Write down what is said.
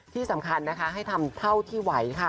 ที่สำคัญให้ทำเท่าที่ไหว